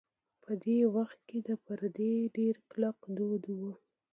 په دې وخت کې د پردې ډېر کلک دود و.